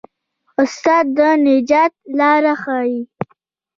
استاد د نجات لار ښيي.